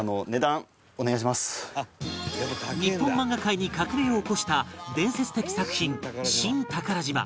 日本漫画界に革命を起こした伝説的作品『新寳島』